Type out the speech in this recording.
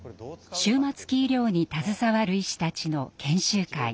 終末期医療に携わる医師たちの研修会。